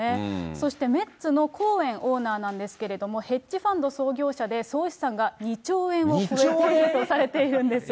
そしてメッツのコーエンオーナーなんですけれども、ヘッジファンド創業者で、総資産が２兆円を超えるとされているんです。